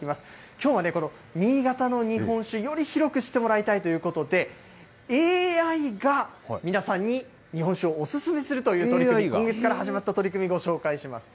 きょうはね、この新潟の日本酒、より広く知ってもらいたいということで、ＡＩが皆さんに日本酒をお勧めするという取り組み、今月から始まった取り組み、ご紹介します。